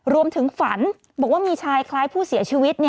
รวมถึงฝันบอกว่ามีชายคล้ายภูเศียชีวิต